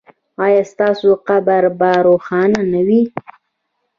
ایا ستاسو قبر به روښانه نه وي؟